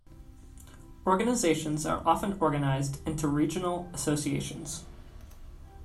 Organizations are often organized into regional associations.